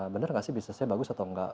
benar nggak sih bisnisnya bagus atau enggak